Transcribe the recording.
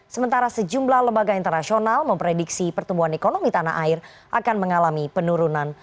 sementara sejumlah lembaga internasional memprediksi pertumbuhan ekonomi tanah air akan mengalami penurunan